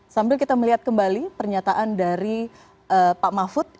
sambil kita melihat kembali pernyataan dari pak mahfud